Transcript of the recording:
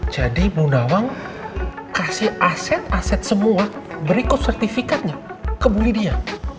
jadi bunda wang kasih aset aset semua berikut sertifikatnya ke bu lydia